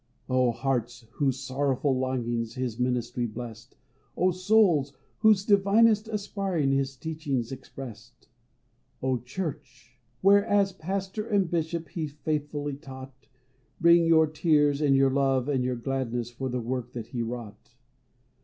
59 PHILLIPS BROOKS. O hearts, whose sorrowful longings His ministry blessed, — O souls, whose divinest aspiring His teachings expressed, — O Church, where as pastor and Bishop He faithfully taught, — Bring your tears, and your love, and your gladness For the work that he wrought